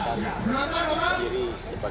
tapi terkait dengan tentara itu bisa